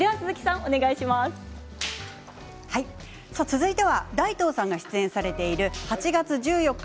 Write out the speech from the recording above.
続いては大東さんが出演されている８月１４日